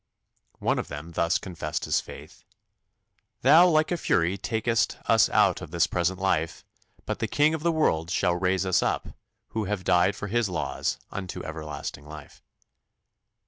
One of them thus confessed his faith: "Thou like a fury takest us out of this present life, but the King of the world shall raise us up, who have died for His laws, unto everlasting life."